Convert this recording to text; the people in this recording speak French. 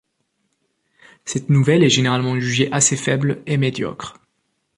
Cette nouvelle est généralement jugée assez faible et médiocre.